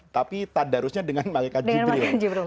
tapi tadarusnya dengan malaikat jibril